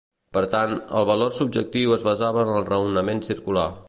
Per tant, el valor subjectiu es basava en el raonament circular.